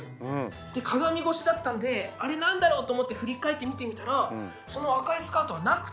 で鏡越しだったんで「あれ何だろう？」と思って振り返って見てみたらその赤いスカートはなくて。